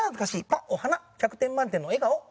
「パッお花１００点満点の笑顔」。